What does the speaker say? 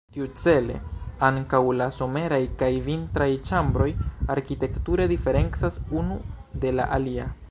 Tiu-cele ankaŭ la someraj kaj vintraj ĉambroj arkitekture diferencas unu de la alia.